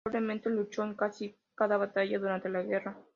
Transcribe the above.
Notablemente, luchó en casi cada batalla durante la guerra.